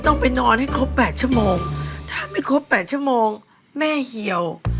ถ้าไม่ครบ๘ชั่วโมงถ้าไม่ครบ๘ชั่วโมงแม่เหี่ยว